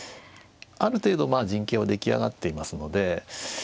ある程度陣形は出来上がっていますので。